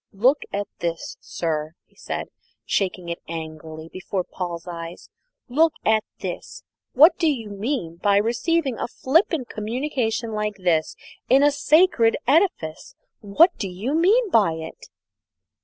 "Look at this, sir!" he said, shaking it angrily before Paul's eyes. "Look at this! what do you mean by receiving a flippant communication like this in a sacred edifice? What do you mean by it?"